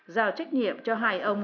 giao trách nhiệm cho hai ông